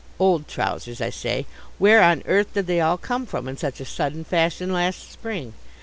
Old trousers, I say. Where on earth did they all come from in such a sudden fashion last spring?